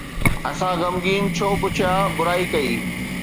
اسان غمگين ڇو پڇيا، برائي ڪئي؟